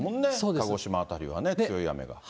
鹿児島辺りはね、強い雨が。